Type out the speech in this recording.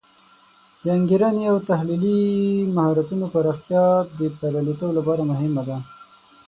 د انګیرنې او تحلیلي مهارتونو پراختیا د بریالیتوب لپاره مهمه ده.